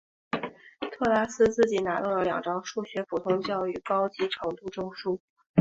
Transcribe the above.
特拉斯自己拿到了两张数学普通教育高级程度证书。